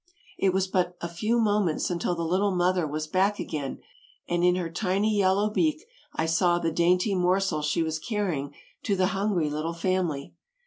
It was but a few moments until the little mother was back again and in her tiny yellow beak I saw the dainty morsel she was carrying to the hungry little family.